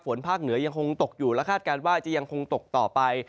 ภาคเหนือยังคงตกอยู่และคาดการณ์ว่าจะยังคงตกต่อไป